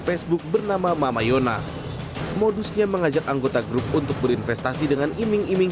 facebook bernama mama yona modusnya mengajak anggota grup untuk berinvestasi dengan iming iming